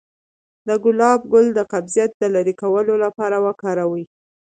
د ګلاب ګل د قبضیت د لرې کولو لپاره وکاروئ